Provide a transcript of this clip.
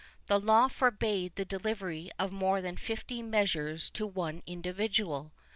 The law forbad the delivery of more than fifty measures to one individual.